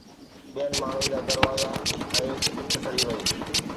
ٻين ماڻهن جا دروازا ۽ ڇت سڙي وئي